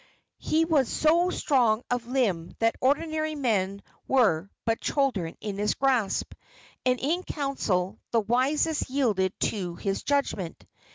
He was so strong of limb that ordinary men were but children in his grasp, and in council the wisest yielded to his judgment.